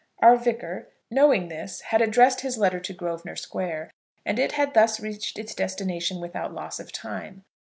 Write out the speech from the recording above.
Our Vicar, knowing this, had addressed his letter to Grosvenor Square, and it had thus reached its destination without loss of time.